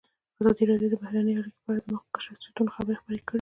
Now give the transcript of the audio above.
ازادي راډیو د بهرنۍ اړیکې په اړه د مخکښو شخصیتونو خبرې خپرې کړي.